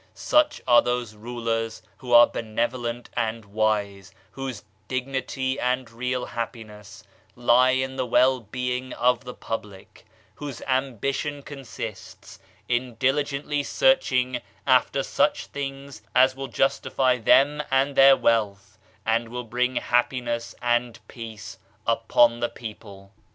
Such are those rulers who are benevolent and wise, whose dignity and real happiness lie in the well being of the public, whose ambition consists in diligently searching after such things as will justify them and their wealth, and will bring happiness and peace upon the people.